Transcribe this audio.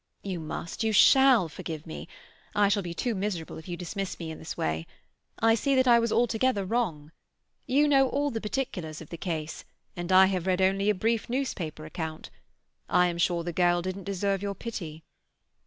"You must, you shall forgive me! I shall be too miserable if you dismiss me in this way. I see that I was altogether wrong. You know all the particulars of the case, and I have only read a brief newspaper account. I am sure the girl didn't deserve your pity."